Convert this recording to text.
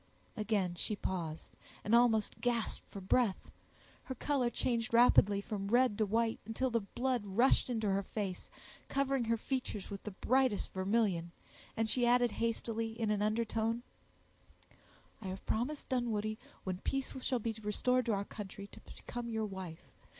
Again she paused, and almost gasped for breath; her color changed rapidly from red to white, until the blood rushed into her face, covering her features with the brightest vermilion; and she added hastily, in an undertone, "I have promised, Dunwoodie, when peace shall be restored to our country, to become your wife.